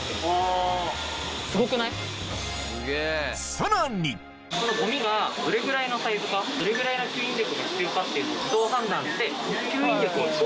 さらにそのゴミがどれぐらいのサイズかどれぐらいの吸引力が必要かっていうのを。